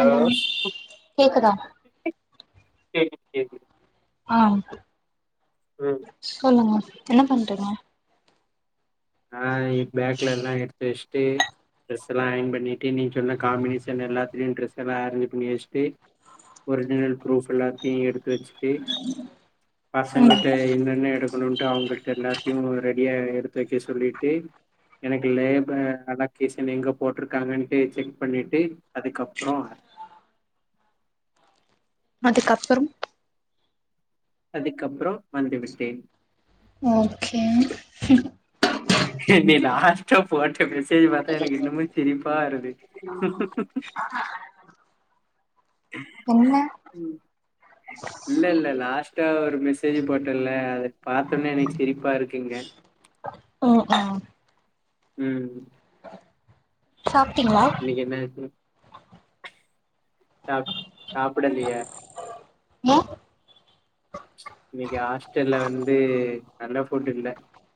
Hello கேக்குதா கேக்குது கேக்குது ஆ ம் சொல்லுங்க என்ன பண்றீங்க ஆ பேக்லல்லா எடுத்து வெச்சுட்டு ட்ரெஸ் எல்லா ஆயன் பண்ணிட்டு நீ சொன்ன காம்பினேஸன் எல்லாத்தலயு ட்ரெஸ்ல்லா அரேஞ்சு பண்ணி வச்சிட்டு ஒரிஜினல் பரூஃப் எல்லாத்தையு எடுத் வச்சுட்டு ம் பசங்கிட்ட என்னென்ன எடுக்கணும்ட்டு அவங்கள்ட எல்லா தியு ரெடியா எடுத்து வக்க சொல்லிட்டு எனக்கு லேபர் அலக்கேஷன் எங்க போட்ருக்காங்கன்ட்டு செக் பண்ணிட்டு அதுக்கப்பறோ அதுக்கப்பறம் அதுக்கப்பற வந்து விட்டேன் ஓகே என்னிலா போட்ட மெசேஜ்ஜ பாத்தா எனக்கு இன்னுமே சிரிப்ப வருது என்ன ம் இல்ல இல்ல லாஸ்ட்டா ஒரு மெசேஜ் போட்டல அத பாத்தோனே எனக்கு சிரிப்பா இருக்குங்க ஓ ம் சாப்ட்டீங்களா என்ன இப்டி சா சாப்பிடலையா ஏ இன்னைக்கு ஹாஸ்டல்ல வந்து நல்ல ஃபுட் இல்ல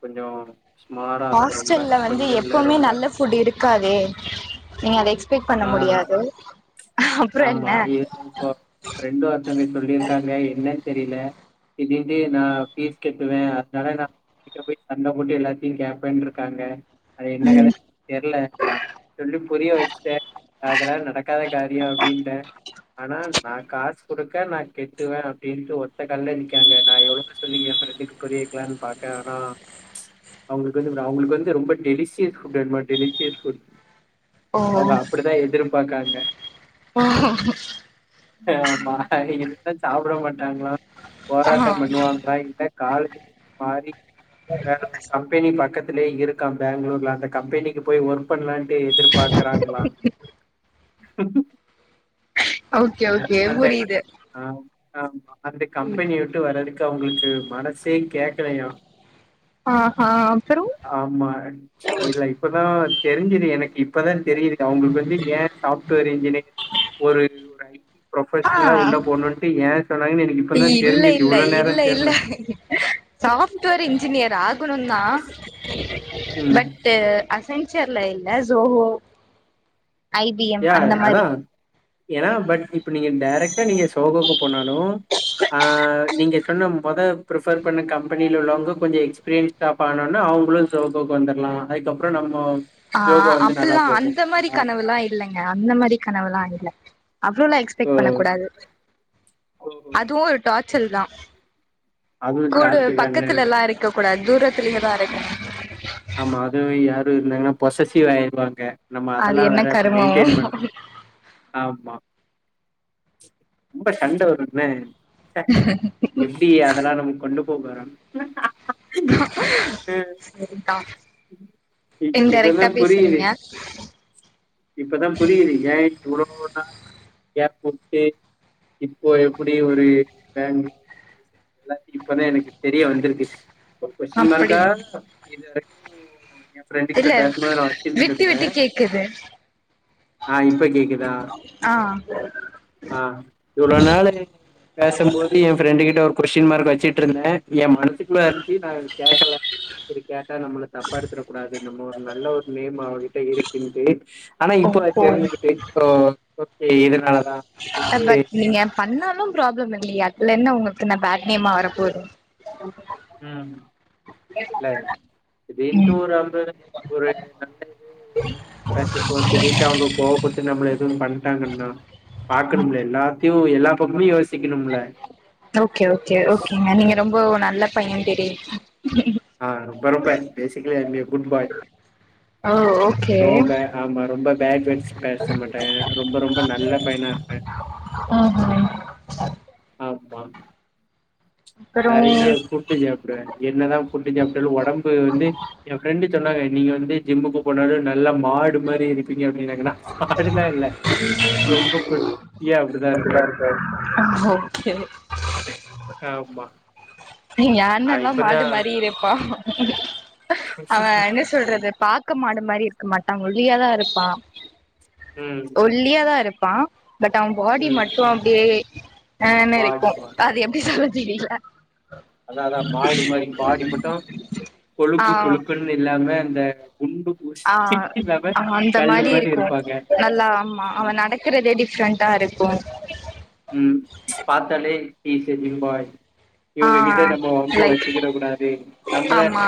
கொஞ்ஜோ ஹாஸ்டல்ல வந்து எப்பவுமே ரொம்ப நல்ல ஃபுட் இருக்காதே நீங்க அத எக்ஸ்பெக்ட் பண்ண ஆ முடியாது அப்புறோ என்ன ஆமா இப்போ ப்ரெண்டு ஒருத்தவங்க சொல்லியிருக்காங்க என்னன்னு தெரியல இதுந்து நா பீஸ் கட்டுவே அதனால நா வீட்ல போய் சண்ட போட்டு எல்லாத்தையு கேப்பேன்ருக்காங்க அது என்ன ம் கதைன்னு தெரில நா சொல்லி புரிய வச்சுட்டே அதெல்லா நடக்காத காரிய நிண்ட ஆனா நா காசு குடுக்க நா கெட்டுவே அப்டின்ட்டு ஒத்த கால்ல நிக்கிறங்க நா எவ்ள சொல்லுங்க ஏப்ரெண்டுக்கு புரியக்கலான்னு பாக்கே ஆனா அவங்களுக்கு வந்து அவங்களுக்கு வந்து ரொம்ப டெலிசீயஸ் ஃபுட்டு டெலிசியஸ் ஃபுட் ஓ அவங்க அப்படிதா எதிர்பாக்காங்க [inaudible] ஆமா இல்லன்னா சாப்பட மாட்டாங்களா போராட்டம் பண்ணுவாங்களா இல்ல கால் மாறி [inaudible] வேற கம்பெனி பக்கத்திலயே இருக்கா பெங்களூர்ல அந்த கம்பெனிக்கு போய் ஒர்க் பண்ணலான்ட்டு எதிர்பாக்கறாங்களா [inaudible] [inaudible] ஓகே ஓகே அந்த புரியுது ஆ ஆ அந்த கம்பெனி விட்டு வர்றதுக்கு அவங்களுக்கு மனசே கேக்கலயா ஆஹா அப்பறோ ஆமா இல்ல இப்பதா தெரிஞ்சுது எனக்கு இப்பதா தெரியுது அவங்களுக்கு வந்து ஏ சாஃப்ட்வேர் இன்ஜினியர் ஒரு ஆ ப்ரொபஷனலா உள்ள போகணுன்ட்டு ஏ சொன்னங்கன்னு எனக்கு இப்போ தா இல்ல தெரிஞ்சுச்சு இல்ல இவ்ள நேர இல்ல இல்ல தெரல சாஃப்ட்வேர் இன்ஜினியர் ஆகணுந்தா ம். பட்டு அசச்சர் ல இல்ல ஜோஹோ ஐ பி எம் யா அந்த மாரி அதான் என்னா பட் இப்ப நீங்க டைரக்டா நீங்க சோகோக்கு போனாலும் ஆ நீங்க சொன்ன மொத ப்ரிஃபர் பண்ண கம்பெனியில உள்ளவங்க கொஞ்ச எக்ஸ்பீரியன்ஸ் ஸ்டாஃப் ஆனால் தா அவுங்களு சோகோக்கு வந்துட்லா அதுக்கப்றோ நம்போ ஆ அப்பில்லா அந்த மாரி கனவுல்லா இல்லைங்க அந்த மாரி கனவுல்லா இல்ல அவ்ளோல்லா சோ எக்ஸ்பெக்ட் பண்ண கூடாது அதுவு ஒரு டார்ச்சல் தா அதுவும் கூடு டாக்ஸிக் தாங்க. பக்கத்துலல்லா இருக்க கூடா தூரத்துலேயே தா இருக் ஆமா அதுவு யாரு இருந்தாங்கன்னா பொசசிவ் ஆயிறுவாங்க நம்ம அது அதெல்லா என்ன வேற மெயின்டென் கருமமோ பண்ணு ஆமா ரொம்ப சண்ட வருமே [unintelligible] எப்டி அதெல்லா நம் கொண்டு போ போறோம் சேரி கா இப் இன்டைரக்ட்டா இப்பதான் பேசுறீங்க இப்பதா புரியுது ஏன் இவ்ளோ நாள் கேப் குடுத்து இப்போ எப்புடி ஒரு பெங்களூர் எல்லார் பத்தியு இப்பதா எனக்கு தெரிய வந்திருக்கு ஒரு கொஸ்டின் அப்படி மார்க்கா இது எயா ஃப்ரெண்டு கிட்ட இல்ல [unintelligible] விட்டு வெச்சினுருந்தே விட்டு கேக்குது ஆ இப்ப கேக்குதா ஆ ஆ இவ்ளோ நாளு பேசம்போது எயா ஃப்ரெண்டு கிட்ட ஒரு கொஸ்டின் மார்க் வெச்சிட்டிருந்தே என் மனசுக்குள்ள இருந்துச்சி நா அது கேக்கல செரி கேக் த நம்மள தப்பா எடுத்திடக் கூடாது நம்மோ ஒரு நல்ல ஒரு நேம் அவர்கிட்ட இருக்குன்ட்டு ஆனா ஓ இப்போ ஓ தெரிஞ்சிகிட்டேன் இப்போ ஓகே இதுனாலதா பட் நீங்க பண்ணாலும் ப்ராப்ளம் இல்லையே அதுனால உங்களுக்கு என்ன பேட் நேமா வரப்போது ம் இல்ல திடீர்ன்ட்டு ம் ஒரு அன்பு ஒரு நல்ல இது [unintelligible] அவனுங்களுக்கு கோவோ போட்டு நம்மள எதும் பண்டாங்கன்னா பாக்கணும்ல எல்லாத்தியு எல்லா பக்கமு யோசிக்கணும்ல ஓகே ஓகே ஓகேங்க நீங்க ரொம்போ நல்ல பையன் தெரியுது ஆ ரொம்ப ரொம்ப basically I am a good boy oh okay ரோம்ப ஆமா ரொம்ப பேட் வேர்ட்ஸ் பேச மாட்டே ரொம்ப ரொம்ப நல்ல பையனா இருப்பே அ ஹா ஆமா அப்புறோ நறைய ஃபுட்டு சாப்புடுவே என்னதா ஃபுட்டு சாப்பிடாலு ஒடம்பு வந்து எயா ஃப்ரெண்டு சொன்னாங்க நீங்க வந்து ஜிம்முக்கு போனாலு நல்லா மாடு மாரி இருப்பீங்க அப்டின்னாங்கன்னா அது லா இல்ல ரொம்ப குட்டியா அப்டிதா இருப்பே ஒகே ஆமா எயா ஆ அண்ணேல்லா இப்பதா மாடு மாரி இருப்பா அவே என்ன சொல்றது பாக் பாக்க மாடு மாரி இருக்க மாட்டா ஒல்லியாதா இருப்பா ம் ஒல்லியாதா இருப்பா பட் அவே பாடி ம் மட்டு அப்டியே ஆ இன்னு மாடு இருக்கு மாடு அது எப்டி சொல்ல தெரில அதா அதா மாடு மாரி பாடி மட்டு ஆ கொழுக்கு கொழுக்குன்னு இல்லாம இந்த குண்டு குஷ் ஆ இல்லாம ஆ அந்த கல்லு மாரி இருக்கு இருப்பாங்க நல்லா ஆமா அவே ம் நடக் நடக்குறதே டிஃப்ரெண்ட்டா இருக்கு ம் பாத்தாலே he is a gym body ஆ லைக் கூடாது நம்மள ஆமா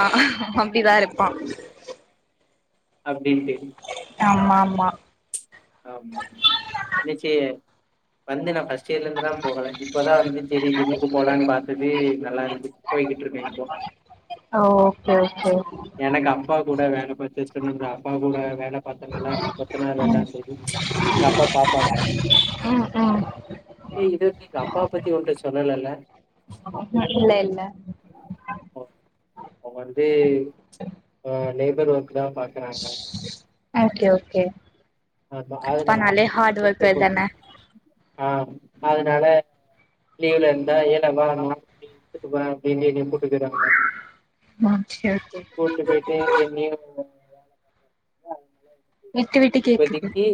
அப்டிதா இருப்பா அப்டின்டு ஆம்மாம்மா ஆம்மாம்மா நிச்சய வந்து நா ஃபர்ஸ்ட் இயர்ல இருந்துதா போகல இப்பதா வந்து சரி ஜிம்முக்கு போலான்னு பாத்தது நல்லா இருக்கு போயிகிட்டு இருக்கே இப்போ அ ஓகே ஓகே எனக்கு அப்பா கூட வேல பார்த்து அப்பா கூட வேல பார்த்தும்ல கொத்தனார் வேல அந்த ச் எங்க அப்பா பாப்பாங்க ம் அதா ஏ இதுவரைக்கு எங்க அப்பா பத்தி ஒன்ட சொல்லலல்ல ம் இல்ல இல்ல ஒ அவுங்க வந்து ஆ லேபர் ஒர்க்குதா பாக்குறாங்க ஓகே ஓகே ஆமா அதனால அப்பானாலே அவுங்க என்ன ஹார்ட் ஒர்க்கர் கூப்டப்ப தான ஆ அதனால லீவ்ல இருந்தா ஏன்டா வா அப்டீனுட்டு வா என்ன [unintelligible] ம் சேரி சேரி கூட்டுபோய்ட்டு என்னயோ விட்டு விட்டு கேக்குது இப்போதைக்கு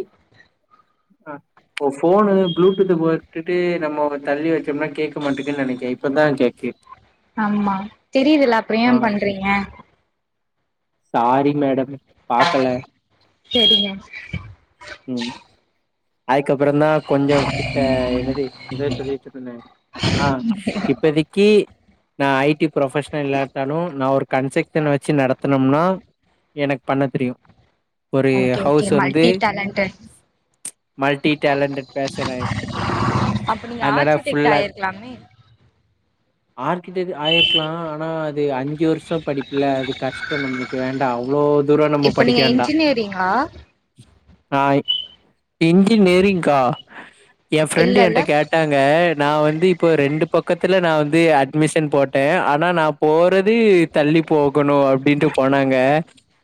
ஆ இப்ப ஃபோனு ப்ளூடூத்து போட்டுட்டு நம்மோ தள்ளி வெச்சோம்னா கேட்க மாட்டேங்னு நெனைக்கே இப்பதா கேக்கு ஆமா தெரியுதல அப்புறோ ஏ ஆ பண்றீங்க சாரி மேடம் பாக்கல செரிங்க ம் அதுக்கப்புறோ தா கொஞ்சோ கிட்ட என்னது எதோ சொல்லி இப்ப சொன்ன ஆ இப்பதிக்கு நா ஐ டி ப்ரொபஷனல் இல்லாட்டாலு நா ஒரு கன்ஸக்ஷன் வெச்சு நடத்தனும்னா எனக்கு பண்ண தெரியு ஒரு ஹவுஸ் வந்து லண்டன் மல்டி டேலன்டட் பேசன அப்ப நீங்க அதனால ஆர்ச்சிடெக்ட் ஃபுல்லா ஆயிருக்கலாமே ஆர்கிடெக்ட் ஆயிருக்கலா ஆனா அது அஞ்சு வர்ஷோ படிப்புல அது கஷ்டோ நம்முளுக் வேண்டா அவ்ளோ தூரோ நம்ம இப்ப படிக்க நீங்க வேண் இன்ஜினியரிங்கா ஆ இன்ஜி னேரிங்க்கா எ ஃப்ரெண்டு இல்லல்ல என்கிட்ட கேட்டாங் க நா வந்து இப்போ ரெண்டு பக்கத்துல நா வந்து அட்மிஷன் போட்டே ஆனா நாப் போறது தள்ளி போகணோ அப் அப்டீன்ட்டு போனாங்க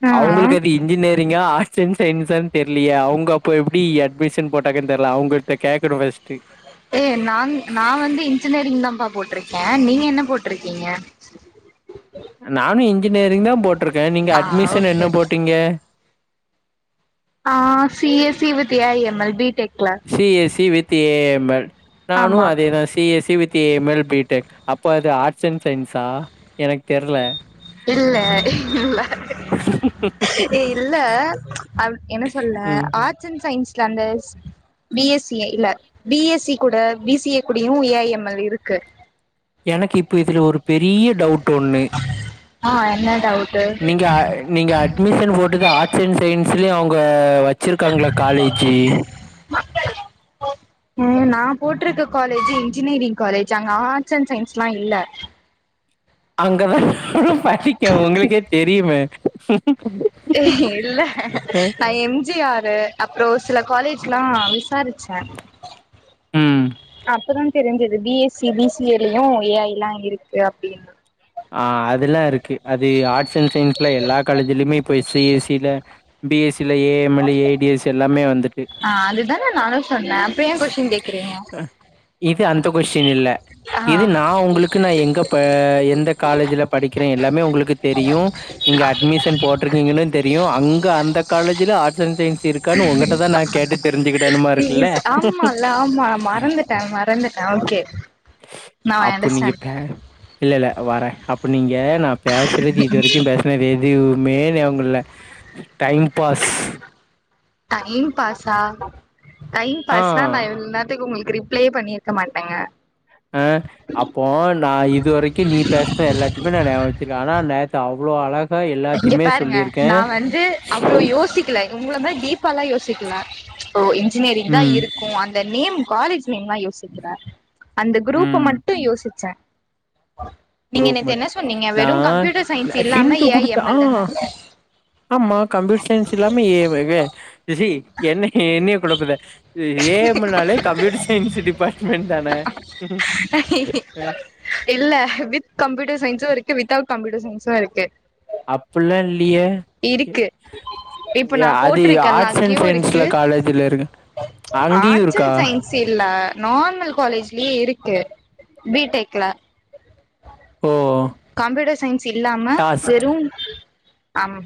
ஆ அவுங்குளுக்கு அது இன்ஜினியரிங்கா ஆட் சயின்ஸானு தெர்லையே அவுங்க அப்போ எப்டி அட்மிஷன் போட்டாங்கனு தெர்ல அவுங்கள்ட்ட கேக்கணோ ஃபர்ஸ்ட்டு ஏ நான் நா வந்து இன்ஜினேரிங் தாப்பா போட்ருக்கே நீங்க என்ன போட்ருக்கீங்க நானு இன்ஜினேரிங் தா போட்ருக்கே நீங்க ஆ அட்மிஷன் என்ன ஓகே போட்டீங்க ஆ C S E with A I M L B tech class C S E with A I M L நானோ ஆமா அதேதா C S C with C A M L B tech அப்போ அது arts and சயின்ஸா எனக்கு தெர்ல இல்ல இல்ல ஏ இல்ல அப் என்ன சொல்ல ம். ஆர்ட்ஸ் அண்ட் சயின்ஸ்ல அந்த பி எஸ் சி இல்ல பி எஸ் சி கூட பி சி ஏ கூடயு ஈ ஐ எம் எல் இருக்கு எனக்கு இப்போ இதுல ஒரு பெரிய டவுட்டு ஒன்னு ஆ என்ன டவுட்டு நீங்க நீங்க அட்மிஷன் போட்டது ஆர்ட்ஸ் அண்ட் சயின்ஸ்லயு அவுங்க வச் சிருக்காங்களா காலேஜு ஏ நா போட்ருக்க காலேஜு இன்ஜினியரிங் காலேஜ் அங்க ஆர்ட்ஸ் அண்ட் சயின்ஸ்லா இல்ல அங்கதா நு படிக்க ஏ இல்ல நா எம்ஜிஆரு அப்றோஸ் சில காலேஜ்லா விசாரிச்சே ம் அப்பதா தெரிஞ்சது பிஎஸ்சி பிசிஎலயும் ஏஐ லா இருக்கு அப்படின்னு ஆ அதெல்லா இருக்கு அது ஆர்ட்ஸ் அண்ட் சயின்ஸ்ல எல்லா காலேஜ்லயுமே இப்பொய் சிஎசில பிஎஸ்சில ஏ உம்மல் எடியஸ் எல்லாமே வந்துட்டு ஆ அதுதான நானு சொன்னே அப்றோ ஏ கொஸ்டின் கேக்குறீங்க இது அந்த கொஸ்டின் இல்ல ஆ இது நா உங்களுக்கு நா எங்கப்ப எந்தக் காலேஜ்ல படிக்கிறே எல்லாமே உங்களுக் க்கு தெரியு நீங்க அட்மிஷன் போட்ருக்கீங்கன்னு தெரியு அங்க அந்த காலேஜ்ல ஆர்ட்ஸ் அண்ட் சயின்ஸ் இருக் கானு உங்கிட்டதா நா கேட்டு தெரிஞ்சுக்கிடனுமா இருக்குல்ல டாமறந்துட்டே ஓகே நவ் ஐ அப்போ நீங்க அண்டர்ஸ்டாண்ட் பே இல்ல இல்ல வரே அப்பு நீங்க நா பேசுறது இது வரைக்கு பேசுனதேவ் திவ்மே ஞவுங்குல்ல டைம் பாஸ் டைம் பாஸா டைம் ஆ. பாஸ்னா நா இவ்ள் நர் த்துக்கு உங்களுக்கு ரிப்ளேயே பண்ணிருக்க மாட்டேங்க அ அப்போ நா இது வரைக்கு நீ பேஸ்ன எல்லாத்தையுமே நா நேம் வச்சிருக்கே ஆனா நேத்து அவ்ளோ ஆளாக் இங்க பாருங்க நா வந்து அவ்ளோ யோசிக் க்கிலை உங்கள மாரி டீப்பாலா யோசிக்கல ஓ இன்ஜினியரிங் தா ம். இருக்கு அந்த் த நேம் காலேஜ் நேம்மா யோசிக்ற அந்த க்ரூப்ப ம். மட் ட்டு யோசிச்ச நீங்க குரூப் என்னேத் என்ன மட்டும். சொன்னீங்க வெறு கம்ப்யூட்டர் சயின்ஸ் இல்லாம ஏஐ எம் எல் ஆலா தான அம்மா கம்ப்யூட்டர் சயின்ஸ் இல்லாம ஏவைவே திசி என்ன ஏ என்னையே கொழப்பத எ ஏ முனாலே கம்ப்யூட்டர் சயின்ஸ் டிபார்ட்மென்ட் தான ம்ம் இல்ல வித் கம்ப்யூட்டர் சயின்ஸு இருக்கு வித்தவுட் கம்ப்யூட்டர் சயின்ஸு இருக்கு அப்டிலாம் இல்லையே. இருக்கு இப்ப ஏ, நா அது ஆர்ட்ஸ் போட்ருக்கெல்லாங் அண்ட் உ இருக்கு சயின்ஸ்ல காலேஜ்ல இருக்கு. அங்கேயும் ஆட்ஸ் அண் இருக்கா? சயின் சில்ல நார்மல் காலேஜ்லியே இருக்கு பிடெக்ல ஓ! கம்யூட்டர் சயின்ஸ் இல்லாம டாஸ்க். வெறு அம்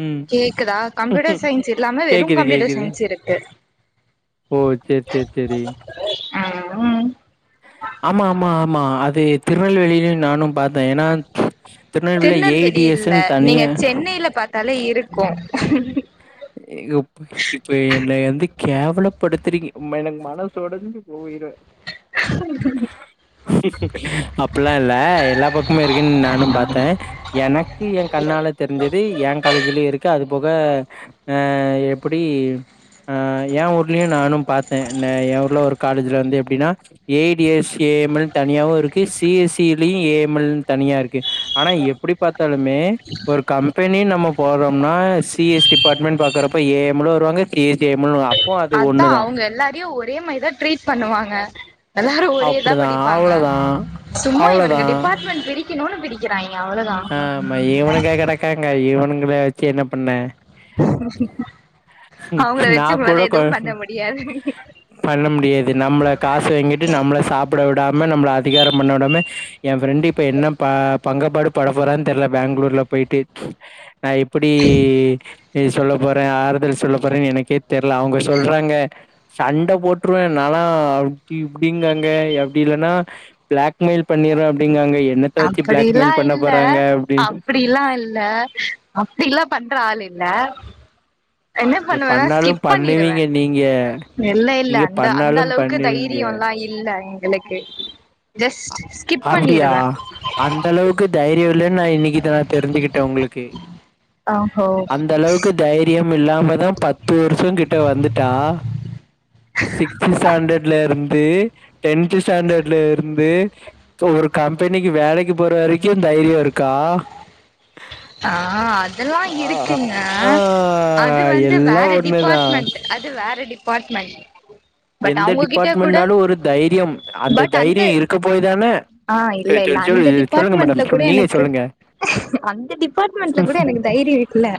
ம். கேக்குதா கம்ப்யூட்டர் சயின்ஸ் இல்லாம வெறு கேக்குது கம்ப்யூட்டர் கேக்குது. சயின்ஸ் இருக்கு ஓ செர் செர் செரி உம் ஆமா ஆமா ஆமா அது திருநெல்வேலியிலு நானு பாத்த எனான் திருநெல்வேலி இல்ல நீங்க சென்னைய்ல பாத்தாலே இருக்கு ஏ யொப்பு இப்ப என்னையந்து கேவலப்படுத்துறீங்க ம் அப்பல்லாம் இல்ல எல்லா பக்கமு இருக்குன் நானும் பாத்தே எனக்கு என் கண்ணால தெரிஞ்சது என் காலேஜ்லயு இருக்கு அது போக ஆ எப்புடி ஆ எ ஊர்லயு நானு பாத்தே ந எ ஊர்ல ஒரு காலேஜ்ல வந்து எப்டின்னா ஏடி எஸ் ஏ எம் எல் தனியாவு இருக்கு சி எஸ் சி லயும் ஏ எம் எல்ன் தனியா இருக்கு ஆனா எப்டி பாத்தாலுமே ஒரு கம்பெனி நம்ம போறோம்னா சி எஸ் டி பார்ட்மெண்ட் பாக்கரப்ப ஏ எம்ளு வருவாங்க கே ஜீ எம்மலு அப் அதா அவங்க எல்லாரையு ஒரே மய்தா ட்ரீட் பண்ணுவாங்க எல்லாரு ஒரேதா அப்டிதா படிப்பாங்க அவ்ளோதா சும்மா இவனுங்கு அவ்ளோதா டிபார்ட்மெண்ட் பிரி கினுன்னு பிரிக்கிறாய்ங்க அவ்ளதா [unintelligible] [unintelligible] இவனுங்கள வச்சு என்ன பண்ண அவுங்கள நா வச்சு கூட உங்களால கொ எதுவு பண்ண முடியாது பண்ண முடியாது நம்மள காசு வாங்கிட்டு நம்மள சாப்பட விடாம நம்மள அதிகாரம் பண்ண விடாம என் ஃப்ரெண்டு இப்ப என்ன ப பங்கபாடு பட போறான் தெர்ல பேங்களூர்ல போயிட்டு நா எப்புடி இது சொல்ல போற ஆறுதல் சொல்ல போறனு எனக்கே தெர்ல அவுங்க சொல்றாங்க சண்ட போட்டுருவ நாலா அப்டி இப்டிங்காங்க எப்டி இல்லனா பிளாக் மெயில் பண்ணிற அப்டிங்காங்க என்ன அப்படிலா இல்ல அ அப்டில்லா இல்ல அப்டில்லாம் பண்ற ஆள் இல்ல என்ன பண்ணுவனா பண்ணாலு ஸ்கிப் பண்ணிருவ பண்ணுவீங்க நீங்க இல்ல இல்ல நீங்க அந்த அந்த பண்ணாலும் அளவுக்கு பண்ணுவீங்க தைரியோல்லா இல்ல எங்களுக்கு ஸ்ட்டு ஸ்கிப் அப்டியா பண்ணிருவ அந்த அளவுக்கு தைரியோ இல்லனு நா இன்னிக்குதா இத நா தெரிஞ்சுகிட்ட உங்களுக்கு அஹோ ரியம் இல்லாமதா பத்து வருஷோ கிட்ட வந்துட்டா சிக்ஸ்த்து ஸ்டாண்டர்ட்ல இருந்து டென்த்து ஸ்டாண்டர்ட்ல இருந்து ஒரு கம்பெனிக்கு வேலைக்கு போற வரைக்கு தைரியோ இருக்கா ஆ அதெல்லா ஆ இருக்குங்க ஆ அது வந்து எல்லா வேற ஒண்ணுதா டிபாட்மெண்ட் இது வேற டிபாட்மெண்ட் எந்த டிபாட்மெண்ட்னாலு ஒரு தைரியம் அந்த தைரியோ இருக்க போய் தான ஆ சொ இல்ல சொ இல்ல சொல்லு அந்த சொல்லுங்க டிபாட்மெண்ட்ல கூட மேடம் நீங்க எனக்கு சொல்லுங்க அந்த டிபா டிபாட்மெண்ட்ல கூட எனக்கு தைரியோ இல்ல